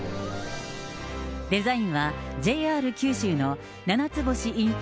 デザインは、ＪＲ九州のななつ星イン